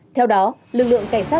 theo đó lực lượng cảnh sát